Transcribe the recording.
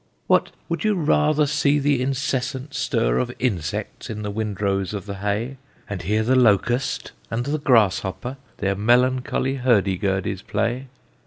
"What! would you rather see the incessant stir Of insects in the windrows of the hay, And hear the locust and the grasshopper Their melancholy hurdy gurdies play?